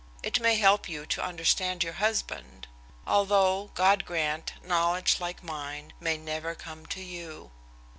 It may help you to understand your husband; although, God grant, knowledge like mine may never come to you.